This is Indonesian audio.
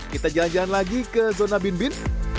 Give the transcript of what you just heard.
kita jalan jalan lagi ke zona binbin